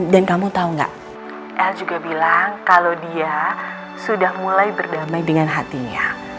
dan kamu tau gak el juga bilang kalau dia sudah mulai berdamai dengan hatinya